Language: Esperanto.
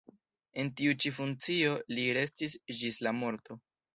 En tiu ĉi funkcio li restis ĝis la morto.